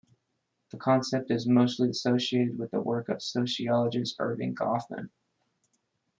The concept is mostly associated with the work of sociologist Erving Goffman.